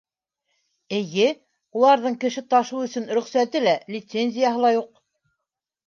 Эйе, уларҙың кеше ташыу өсөн рөхсәте лә, лицензияһы ла юҡ.